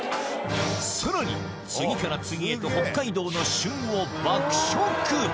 さらに次から次へと北海道の旬を爆食！